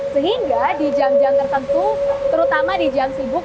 sehingga di jam jam tertentu terutama di jam sibuk